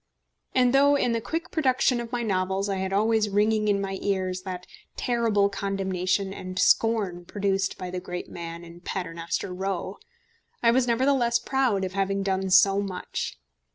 And though in the quick production of my novels I had always ringing in my ears that terrible condemnation and scorn produced by the great man in Paternoster Row, I was nevertheless proud of having done so much.